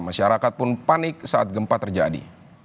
masyarakat pun panik saat gempa terjadi